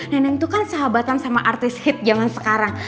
nenek tuh kan sahabatan sama artis hit jaman sekarang